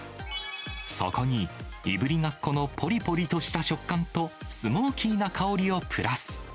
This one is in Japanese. そこに、いぶりがっこのぽりぽりとした食感と、スモーキーな香りをプラス。